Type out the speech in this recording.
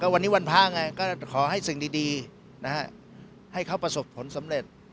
วันนี้วันพระไงก็ขอให้สิ่งดีให้เขาประสบผลสำเร็จ